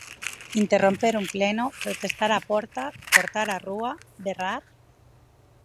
Interromper un pleno, protestar á porta, cortar a rúa, berrar?